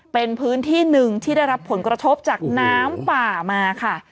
เป็นพื้นที่หนึ่งที่ได้รับผลกระทบจากน้ำป่ามาค่ะ